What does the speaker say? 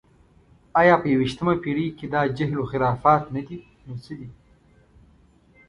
ایا په یویشتمه پېړۍ کې دا جهل و خرافات نه دي، نو څه دي؟